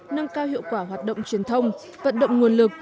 nâng cao hiệu quả hoạt động truyền thông vận động nguồn lực